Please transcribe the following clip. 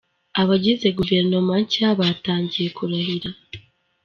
Abagize Guverinoma nshya batangiye kurahira.